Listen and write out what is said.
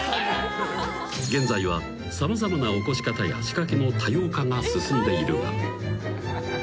［現在は様々な起こし方や仕掛けの多様化が進んでいるが］